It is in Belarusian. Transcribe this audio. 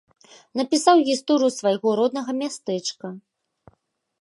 Напісаў гісторыю свайго роднага мястэчка.